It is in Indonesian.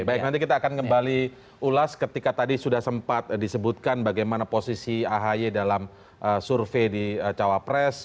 baik nanti kita akan kembali ulas ketika tadi sudah sempat disebutkan bagaimana posisi ahy dalam survei di cawapres